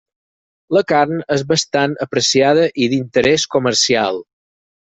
La carn és bastant apreciada i d'interès comercial.